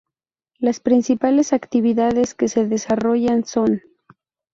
Las principales actividades que se desarrollan son